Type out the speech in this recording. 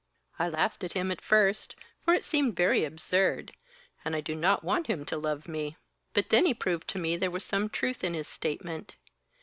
I laughed at him at first, for it seemed very absurd and I do not want him to love me. But then he proved to me there was some truth in his statement.